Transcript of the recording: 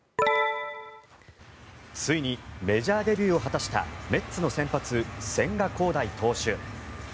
ついにメジャーデビューを果たしたメッツの先発、千賀滉大投手。